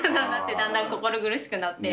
だんだん心苦しくなって。